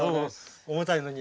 重たいのに。